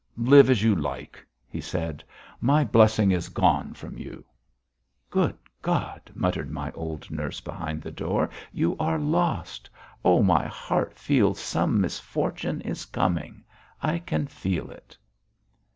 "Live as you like!" he said. "My blessing is gone from you." "Good God!" muttered my old nurse behind the door. "You are lost. Oh! my heart feels some misfortune coming. I can feel it."